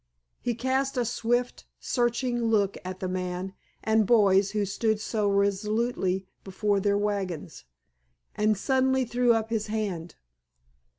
He cast a swift, searching look at the man and boys who stood so resolutely before their wagons, and suddenly threw up his hand.